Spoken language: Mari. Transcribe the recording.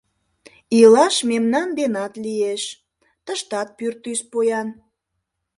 Илаш мемнан денат лиеш: тыштат пӱртӱс поян.